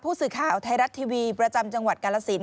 ผู้สื่อข่าวไทยรัฐทีวีประจำจังหวัดกาลสิน